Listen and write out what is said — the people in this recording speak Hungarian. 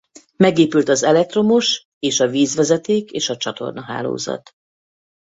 Megépült az elektromos és a vízvezeték és a csatornahálózat.